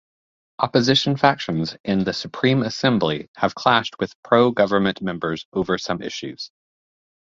Opposition factions in the Supreme Assembly have clashed with pro-government members over some issues.